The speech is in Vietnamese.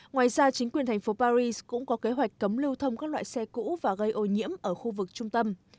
ngoài ra chính quyền thành phố paris cũng có kế hoạch cấm lưu thông các loại xe cũ và gây ô nhiễm ở khu vực trung tâm